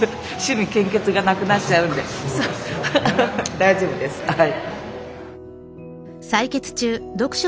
大丈夫ですはい。